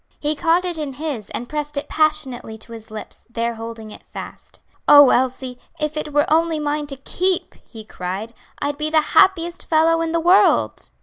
He caught it in his and pressed it passionately to his lips, there holding it fast. "Oh, Elsie, if it were only mine to keep!" he cried, "I'd be the happiest fellow in the world."